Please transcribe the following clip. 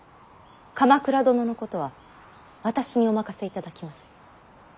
鎌倉殿のことは私にお任せいただきます。